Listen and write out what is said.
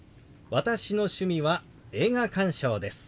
私の趣味は映画鑑賞です。